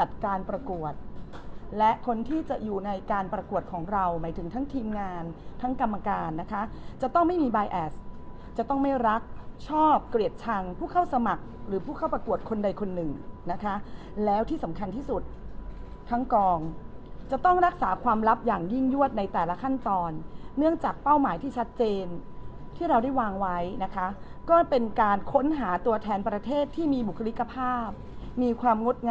จัดการประกวดและคนที่จะอยู่ในการประกวดของเราหมายถึงทั้งทีมงานทั้งกรรมการนะคะจะต้องไม่มีบายแอดจะต้องไม่รักชอบเกลียดชังผู้เข้าสมัครหรือผู้เข้าประกวดคนใดคนหนึ่งนะคะแล้วที่สำคัญที่สุดทั้งกองจะต้องรักษาความลับอย่างยิ่งยวดในแต่ละขั้นตอนเนื่องจากเป้าหมายที่ชัดเจนที่เราได้วางไว้นะคะก็เป็นการค้นหาตัวแทนประเทศที่มีบุคลิกภาพมีความงดง